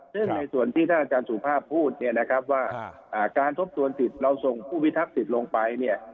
ซึ่งในส่วนที่ท่านอาจารย์สุภาพพูดเนี่ยนะครับว่าการทบทวนสิทธิ์เราส่งผู้พิทักษิตลงไปเนี่ย